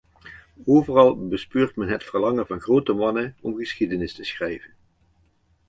Overal bespeurt men het verlangen van grote mannen om geschiedenis te schrijven.